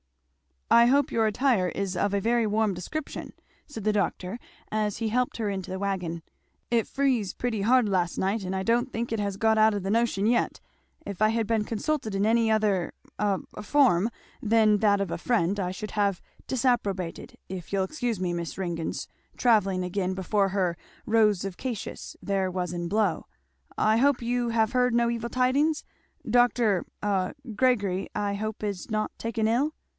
"I hope your attire is of a very warm description," said the doctor as he helped her into the wagon; "it friz pretty hard last night and I don't think it has got out of the notion yet. If I had been consulted in any other a form, than that of a friend, I should have disapprobated, if you'll excuse me, Miss Ringgan's travelling again before her 'Rose of Cassius' there was in blow. I hope you have heard no evil tidings? Dr. a Gregory, I hope, is not taken ill?"